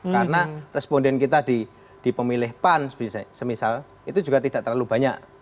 karena responden kita di pemilih pan semisal itu juga tidak terlalu banyak